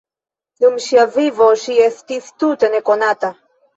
Dum ŝia vivo, ŝi estis tute nekonata.